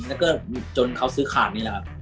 แล้วก็จนเขาซื้อขาด